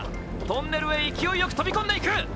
トンネルへ勢いよく飛び込んでいく。